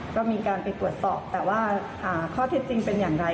ก็มีการไปตรวจสอบแต่ว่าข้อเท็จจริงเป็นอย่างไร